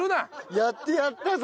やってやったぞ！